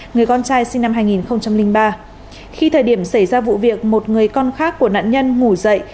người con trai sinh năm hai nghìn ba khi thời điểm xảy ra vụ việc một người con khác của nạn nhân ngủ dậy